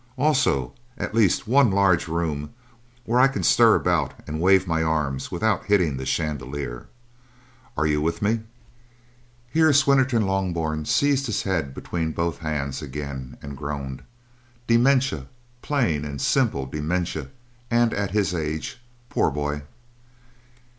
Also at least one large room where I can stir about and wave my arms without hitting the chandelier. Are you with me?" Here Swinnerton Loughburne seized his head between both hands again and groaned: "Dementia! Plain and simple dementia! And at his age, poor boy!"